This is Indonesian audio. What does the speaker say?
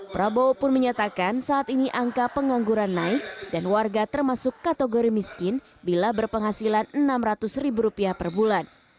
prabowo pun menyatakan saat ini angka pengangguran naik dan warga termasuk kategori miskin bila berpenghasilan rp enam ratus per bulan